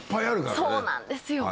そうなんですよ。